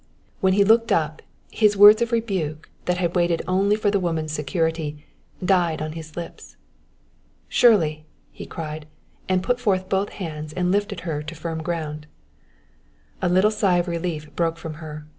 When he looked up, his words of rebuke, that had waited only for the woman's security, died on his lips. "Shirley!" he cried; and put forth both hands and lifted her to firm ground. A little sigh of relief broke from her.